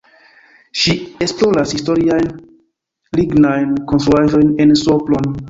Ŝi esploras historiajn lignajn konstruaĵojn en Sopron.